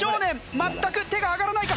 全く手が挙がらないか？